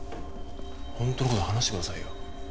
本当の事話してくださいよ。